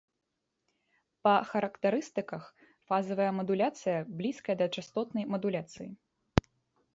Па характарыстыках фазавая мадуляцыя блізкая да частотнай мадуляцыі.